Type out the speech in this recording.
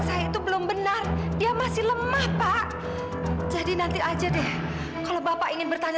sampai jumpa di video selanjutnya